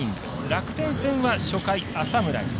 楽天戦は初回浅村に。